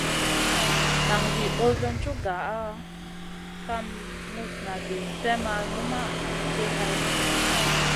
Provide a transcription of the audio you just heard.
Nan Zi ɓosion cug gah kam muzna vi slèh ma numʼma ti hayama.